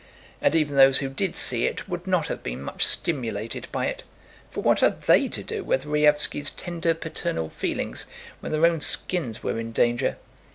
And even those who did see it would not have been much stimulated by it, for what had they to do with Raévski's tender paternal feelings when their own skins were in danger?